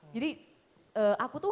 jadi aku tuh